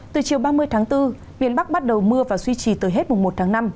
từ chiều ba mươi tháng bốn miền bắc bắt đầu mưa và duy trì từ hết mùng một tháng năm